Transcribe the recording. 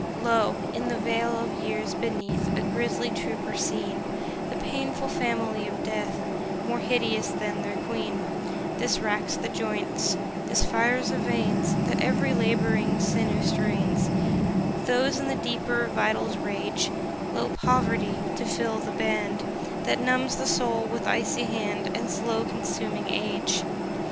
Lo, in the vale of years beneath A griesly troop are seen, The painful family of Death, More hideous than their Queen: This racks the joints, this fires the veins, That ev'ry labouring sinew strains, Those in the deeper vitals rage: Lo, Poverty, to fill the band, That numbs the soul with icy hand, And slow consuming Age.